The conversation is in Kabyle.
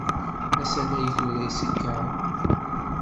Asalay tura isekkeṛ.